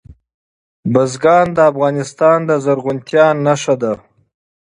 بزګان د افغانستان د زرغونتیا نښه ده.